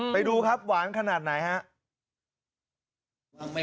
ไปดูครับหวานขนาดไหนครับ